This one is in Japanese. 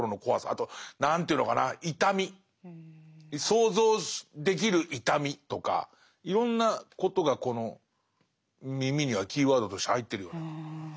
あと何ていうのかな痛み想像できる痛みとかいろんなことがこの耳にはキーワードとして入ってるような。